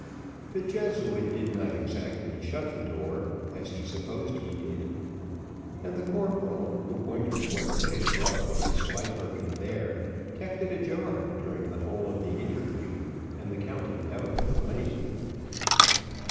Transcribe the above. The Jesuit did not exactly shut the door, as he supposed he did, and the corporal, who wondered what could have brought Vanslyperken there, kept it ajar during the whole of the interview and the counting out of the money.